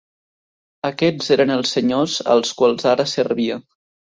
Aquests eren els senyors als quals ara servia.